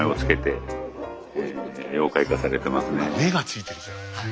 目がついてるじゃん。